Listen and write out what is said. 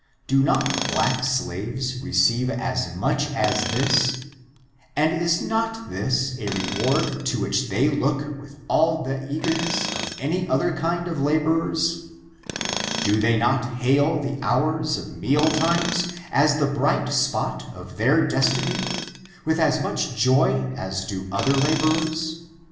Do not black slaves receive as much as this, and is not this a reward to which they look with all the eagerness of any other kind of laborers? Do they not hail the hours of meal times as the bright spot of their destiny, with as m%ich joy ^^«^k^N^^^N^^^ FORTUNES, OF THE NEGRO RACE. 393 as do other laborers